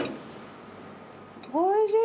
おいしい！